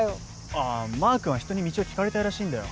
あぁまークンは人に道を聞かれたいらしいんだよ。